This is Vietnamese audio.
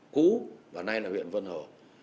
cú và nay là huyện vân hồ